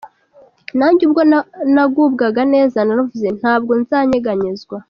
Nanjye ubwo nagubwaga neza naravuze nti “Ntabwo nzanyeganyezwa.”